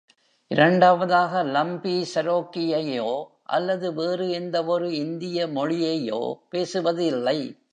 இரண்டாவதாக, லம்பீ செரோக்கியையோ அல்லது வேறு எந்தவொரு இந்திய மொழியையோ பேசுவதில்லை.